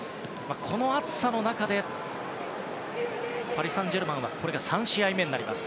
この暑さの中でパリ・サンジェルマンはこれが３試合目になります。